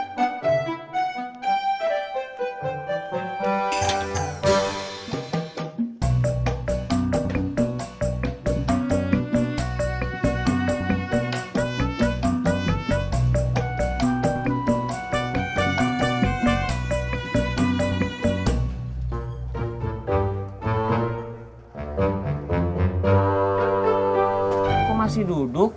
kok masih duduk